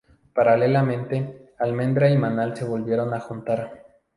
Paralelamente, Almendra y Manal se volvieron a juntar.